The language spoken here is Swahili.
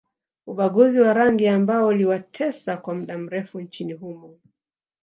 Ubaguzi wa rangi ambao uliwatesa kwa mda mrefu nchini humo